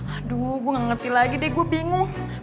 aduh gue gak ngerti lagi deh gue bingung